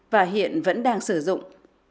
và hiện vẫn đang sử dụng